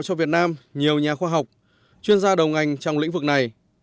cho việt nam nhiều nhà khoa học chuyên gia đầu ngành trong lĩnh vực này